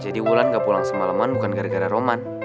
jadi wulan gak pulang semaleman bukan gara gara roman